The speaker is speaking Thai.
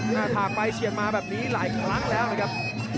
หน้าถากไปเฉียดมาแบบนี้หลายครั้งแล้วนะครับ